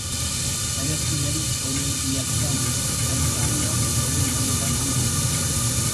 அரசியல் ஒரு இயக்கம் அரசாங்கம் ஒரு நிறுவனம்.